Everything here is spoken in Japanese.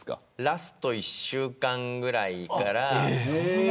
ラスト１週間ぐらいから。